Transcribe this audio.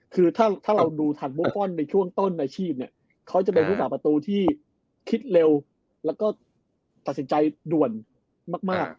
คือถ้าเราดูทันบุฟฟอลในช่วงต้นอาชีพเนี่ยเขาจะเป็นผู้สาประตูที่คิดเร็วแล้วก็ตัดสินใจด่วนมาก